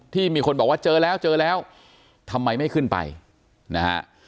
ที่มีคนบอกว่าเจอแล้วเจอแล้วทำไมไม่ขึ้นไปนะฮะ